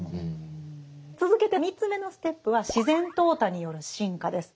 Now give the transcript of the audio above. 続けて３つ目のステップは「自然淘汰による進化」です。